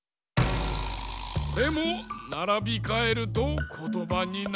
これもならびかえるとことばになるぞ。